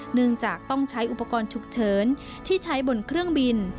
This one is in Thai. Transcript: เนื่องจากต้องใช้อุปกรณ์ฉุกเฉินที่ใช้บนเครื่องบิน